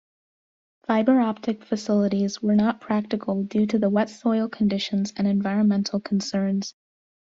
Fiber-optic facilities were not practical due to the wet soil conditions and environmental concerns.